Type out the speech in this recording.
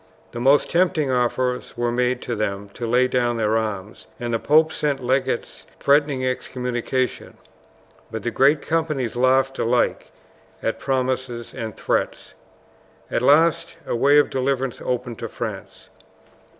The most tempting offers were made to them to lay down their arms, and the pope sent legates threatening excommunication, but the great companies laughed alike at promises and threats. At last a way of deliverance opened to France.